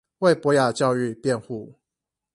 為博雅教育辯護